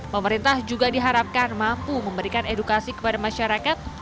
pemerintah juga diharapkan mampu memberikan edukasi kepada masyarakat